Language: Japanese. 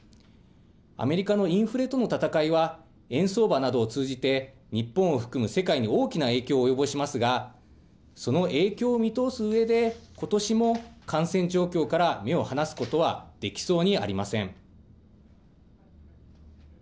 アメリカのインフレとの戦いは、円相場などを通じて、日本を含む世界に大きな影響を及ぼしますが、その影響を見通すうえで、ことしも感染状況から目を離すことはできそうにありません。